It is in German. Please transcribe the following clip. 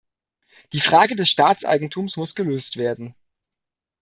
Die Frage des Staatseigentums muss gelöst werden.